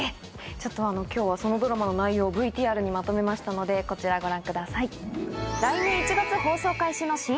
ちょっと今日はそのドラマの内容をＶＴＲにまとめましたのでこちらご覧ください。